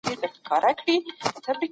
د وینې جوړښت د انسان د بدن لپاره حیاتي دی.